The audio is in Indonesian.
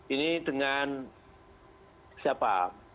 ini dengan siapa